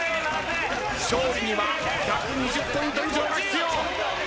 勝利には１２０ポイント以上が必要。